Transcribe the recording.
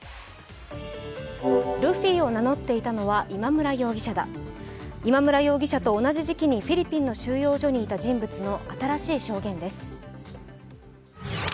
ルフィを名乗っていたのは今村容疑者だ今村容疑者と同じ時期にフィリピンの収容所にいた人物の新しい証言です。